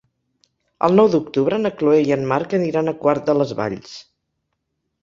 El nou d'octubre na Chloé i en Marc aniran a Quart de les Valls.